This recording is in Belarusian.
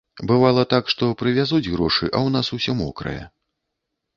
Бывала так, што прывязуць грошы, а ў нас усё мокрае.